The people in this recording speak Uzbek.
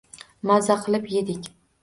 Maza qilib yedik.